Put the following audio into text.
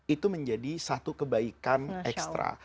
itu menjadi satu kebaikan ekstra